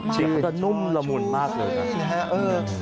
ชื่อนุ่มละมุนมากเลยครับ